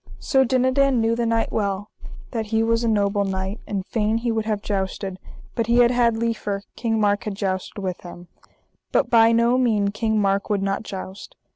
Sir Dinadan knew the knight well that he was a noble knight, and fain he would have jousted, but he had had liefer King Mark had jousted with him, but by no mean King Mark would not joust.